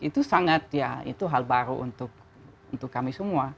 itu sangat ya itu hal baru untuk kami semua